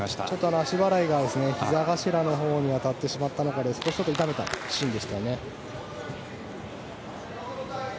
足払いがひざ頭のほうに当たってしまったのが少し痛めたシーンでしたね。